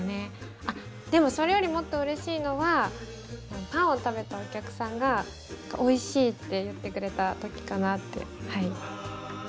あっでもそれよりもっとうれしいのはパンを食べたお客さんがおいしいって言ってくれた時かなってはい。